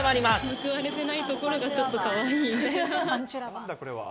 報われてないところがちょっとかわいい。